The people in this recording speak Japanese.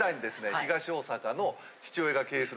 東大阪の。